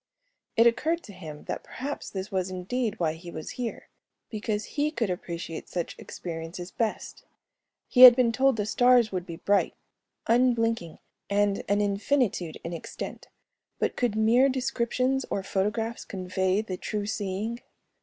It occurred to him that perhaps this was indeed why he was here, because he could appreciate such experiences best. He had been told the stars would be bright, unblinking, and an infinitude in extent, but could mere descriptions or photographs convey the true seeing?